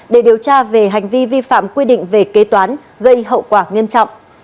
để điều tra về hành vi vi phạm quy định về kế toán gây hậu quả nghiêm trọng